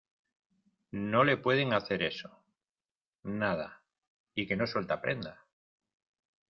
no le pueden hacer eso. nada, y que no suelta prenda .